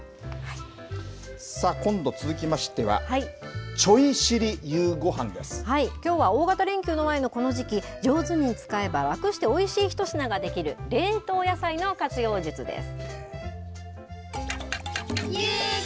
今度、続きましては、ちょい知りきょうは大型連休の前のこの時期、上手に使えば楽しておいしい一品が出来る、冷凍野菜の活用術です。